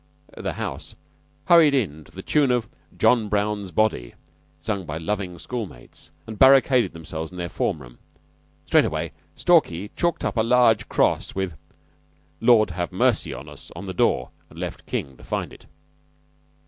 The house hurried in to the tune of "John Brown's body," sung by loving schoolmates, and barricaded themselves in their form room. Straightway Stalky chalked a large cross, with "Lord, have mercy upon us," on the door, and left King to find it.